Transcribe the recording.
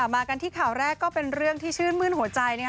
มากันที่ข่าวแรกก็เป็นเรื่องที่ชื่นมื้นหัวใจ